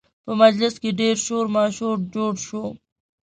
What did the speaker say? په مجلس کې ډېر شور ماشور جوړ شو